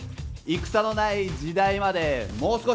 戦のない時代までもう少し！